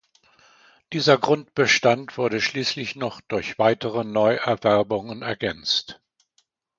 Dieser Grundbestand wurde schließlich noch durch weitere Neuerwerbungen ergänzt.